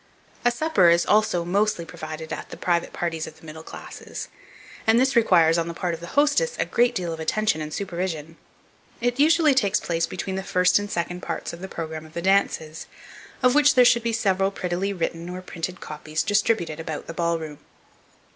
A supper is also mostly provided at the private parties of the middle classes; and this requires, on the part of the hostess, a great deal of attention and supervision. It usually takes place between the first and second parts of the programme of the dances, of which there should be several prettily written or printed copies distributed about the ball room.